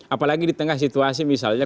apalagi di tengah situasi misalnya